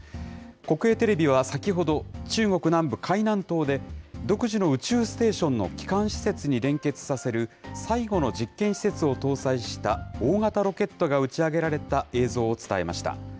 国営テレビは先ほど、中国南部海南島で、独自の宇宙ステーションの基幹施設に連結させる最後の実験施設を搭載した大型ロケットが打ち上げられた映像を伝えました。